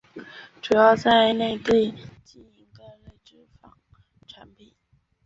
主要在内地经营各类纺织产品。